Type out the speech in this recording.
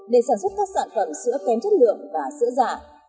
để sản xuất các sản phẩm sữa kém chất lượng và sữa giả